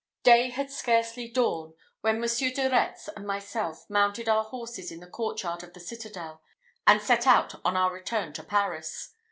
Day had scarcely dawned, when Monsieur de Retz and myself mounted our horses in the courtyard of the citadel, and set out on our return to Paris.